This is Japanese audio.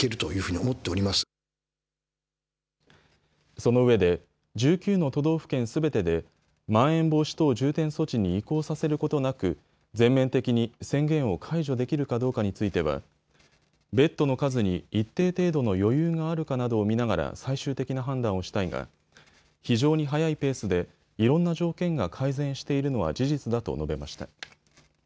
そのうえで１９の都道府県すべてでまん延防止等重点措置に移行させることなく全面的に宣言を解除できるかどうかについてはベッドの数に一定程度の余裕があるかなどを見ながら最終的な判断をしたいが非常に速いペースでいろんな条件が改善しているのは事実だと述べました。